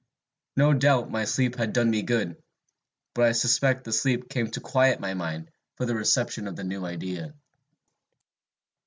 No doubt my sleep had done me good, but I suspect the sleep came to quiet my mind for the reception of the new idea.